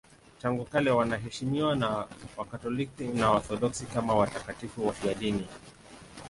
Tangu kale wanaheshimiwa na Wakatoliki na Waorthodoksi kama watakatifu wafiadini.